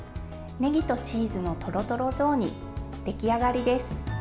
ねぎとチーズのとろとろ雑煮出来上がりです。